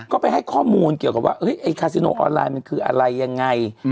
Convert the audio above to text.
ก็ไปให้ข้อมูลเกี่ยวกับว่าไอ้คาซิโนออนไลน์มันคืออะไรยังไง